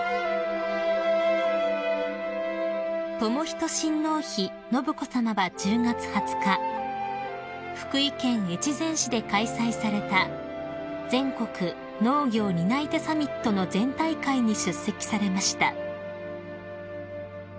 ［仁親王妃信子さまは１０月２０日福井県越前市で開催された全国農業担い手サミットの全体会に出席されました］